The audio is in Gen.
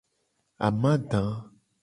Amada.